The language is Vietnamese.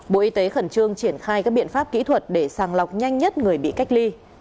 bộ y tế khẩn trương triển khai các biện pháp kỹ thuật để sàng lọc nhanh nhất người bị cách ly